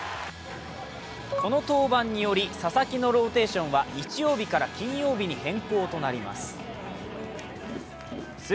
この登板により、佐々木のローテーションは日曜日から金曜日に変更となります。